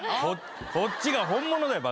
こっちが本物だよ！